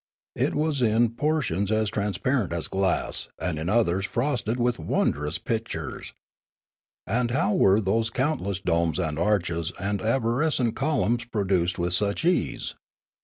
It was in portions as transparent as glass, and in others frosted with wondrous pictures. And how were those count less domes and arches and arborescent columns pro duced with such ease?